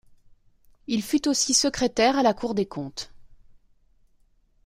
Il fut aussi secrétaire à la cour des Comptes.